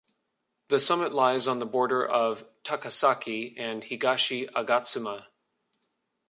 The summit lies on the border of Takasaki and Higashi Agatsuma.